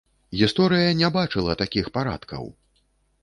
Гісторыя не бачыла такіх парадкаў!